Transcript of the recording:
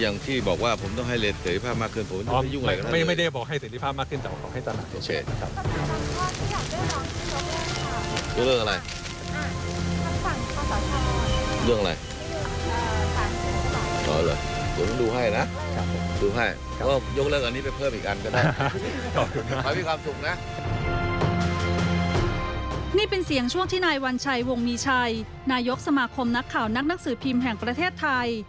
นี่เป็นเสียงช่วงที่นายวัญชัยวงมีชัยนายกสมาคมนักข่าวนักหนังสือพิมพ์แห่งประเทศไทย